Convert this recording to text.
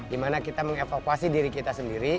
dimana kita mengevakuasi diri kita sendiri